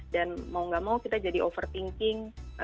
dan mau nggak mau kita jadi overthinking